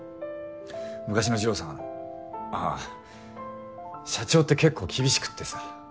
昔の二郎さんあ社長って結構厳しくってさ。